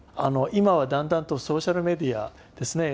今はだんだんとソーシャルメディアですね。